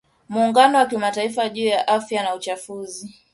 Muungano wa Kimataifa juu ya Afya na Uchafuzi.